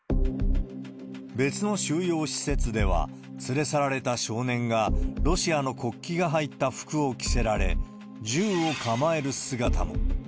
別の収容施設では、連れ去られた少年がロシアの国旗が入った服を着せられ、銃を構える姿も。